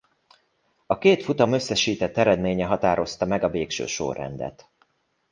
A két futam összesített eredménye határozta meg a végső sorrendet.